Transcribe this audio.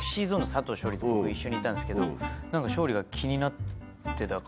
と僕一緒にいたんですけど勝利が気になってたか。